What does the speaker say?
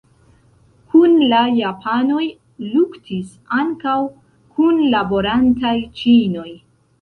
Kun la japanoj luktis ankaŭ kunlaborantaj ĉinoj.